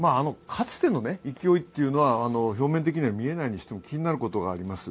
かつての勢いというのは表面的には見えないにしても気になることがあります。